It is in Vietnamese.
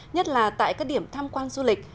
nhất là tại các điểm tham quan du lịch